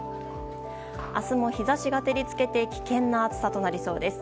明日も日差しが照り付けて危険な暑さとなりそうです。